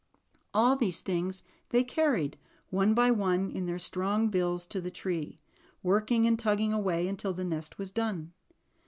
All these things they carried, one by one, in their strong bills to the tree, working and tugging away until the nest was done.